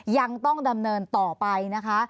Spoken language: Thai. ยังต้องดำเนินต่อไปนะคะ